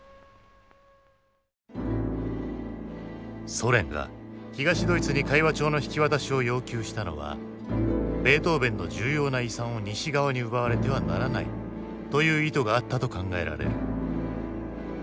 ソ連が東ドイツに会話帳の引き渡しを要求したのは「ベートーヴェンの重要な遺産を西側に奪われてはならない」という意図があったと考えられる。